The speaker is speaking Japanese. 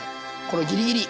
このギリギリ。